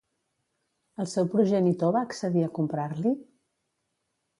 El seu progenitor va accedir a comprar-li?